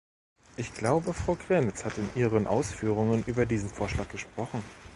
Ich glaube, Frau Graenitz hat in ihren Ausführungen über diesen Vorschlag gesprochen.